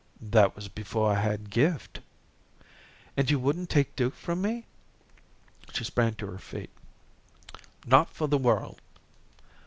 "That was before I had Gift." "And you wouldn't take Duke from me?" She sprang to her feet. "Not for the world."